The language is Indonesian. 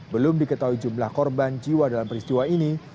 belum diketahui jumlah korban jiwa dalam peristiwa ini